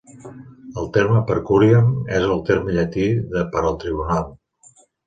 El terme "per curiam" és el terme llatí de "per al tribunal".